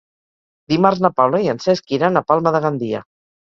Dimarts na Paula i en Cesc iran a Palma de Gandia.